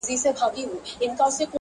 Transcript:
د انسان زړه آیینه زړه یې صیقل دی؛